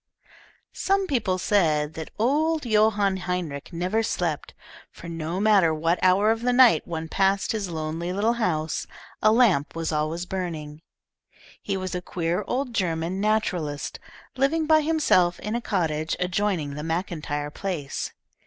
Some people said that old Johann Heinrich never slept, for no matter what hour of the night one passed his lonely little house, a lamp was always burning. He was a queer old German naturalist, living by himself in a cottage adjoining the MacIntyre place.